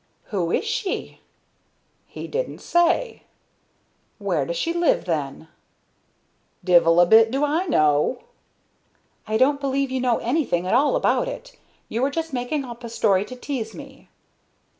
"Who is she?" "He didn't say." "Where does she live, then?" "Divil a bit do I know." "I don't believe you know anything at all about it. You are just making up a story to tease me."